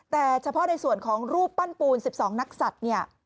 แต่เฉพาะในส่วนของรูปปั้นปูน๑๒นักสัตว์เนี่ย